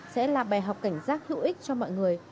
sẽ là bài học cảnh giác hữu ích cho mọi người